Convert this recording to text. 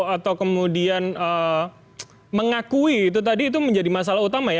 atau kemudian mengakui itu tadi itu menjadi masalah utama ya